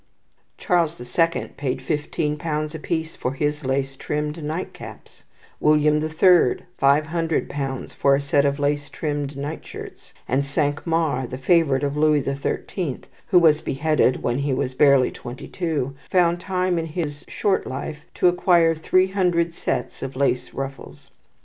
Charles the Second paid fifteen pounds apiece for his lace trimmed night caps; William the Third, five hundred pounds for a set of lace trimmed night shirts; and Cinq Mars, the favourite of Louis the Thirteenth, who was beheaded when he was barely twenty two, found time in his short life to acquire three hundred sets of lace ruffles.